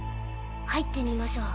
入ってみましょう。